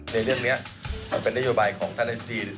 ในเรื่องนี้มันเป็นนโยบายของท่านอธิบดี